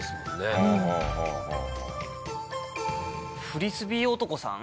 フリスビー男さん。